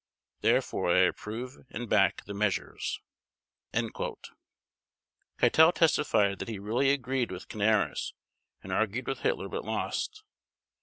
Therefore I approve and back the measures." Keitel testified that he really agreed with Canaris and argued with Hitler, but lost.